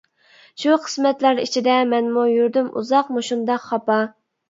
شۇ قىسمەتلەر ئىچىدە مەنمۇ، يۈردۈم ئۇزاق مۇشۇنداق خاپا.